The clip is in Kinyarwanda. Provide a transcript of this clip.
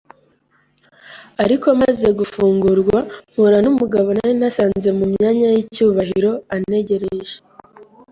ariko maze gufungurwa mpura n’umugabo nari nasanze mu myanya y’icyubahiro antegereje.